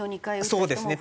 そうですね。